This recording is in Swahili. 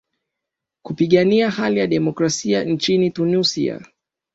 kupigania hali ya demokrasia nchini tunisia